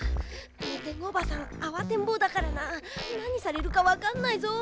メテングおばさんあわてんぼうだからななにされるかわかんないぞ。